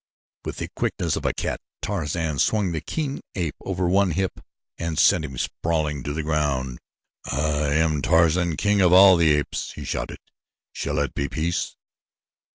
With the quickness of a cat Tarzan swung the king ape over one hip and sent him sprawling to the ground. "I am Tarzan, King of all the Apes!" he shouted. "Shall it be peace?"